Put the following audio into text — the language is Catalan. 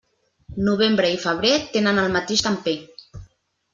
Novembre i febrer tenen el mateix temper.